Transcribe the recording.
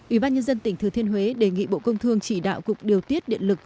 ủy ban nhân dân tỉnh thừa thiên huế đề nghị bộ công thương chỉ đạo cục điều tiết điện lực